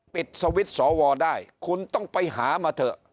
ปิดสวิตช์สวได้คุณต้องไปหามาเถอะ